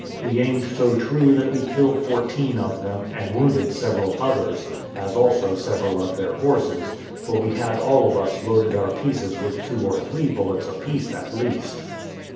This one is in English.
We aimed so true that we killed fourteen of them, and wounded several others, as also several of their horses; for we had all of us loaded our pieces with two or three bullets apiece at least.